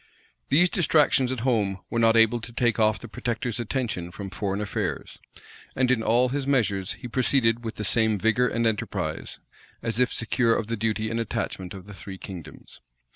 These distractions at home were not able to take off the protector's attention from foreign affairs; and in all his measures, he proceeded with the same vigor and enterprise, as if secure of the duty and attachment of the three kingdoms.